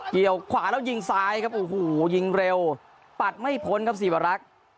เกี่ยวขวาแล้วยิงซ้ายครับโอ้โหยิงเร็วปัดไม่พ้นครับสีวรักษ์